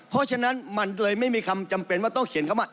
เพราะฉะนั้นมันเลยไม่มีคำจำเป็นว่าต้องเขียนคำว่า